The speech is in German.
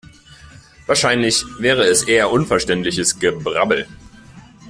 Wahrscheinlich wäre es eher unverständliches Gebrabbel.